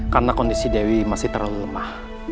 karena kondisi dewi masih terlalu lemah